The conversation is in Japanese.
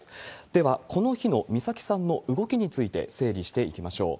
では、この日の美咲さんの動きについて整理していきましょう。